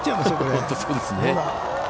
本当そうですね。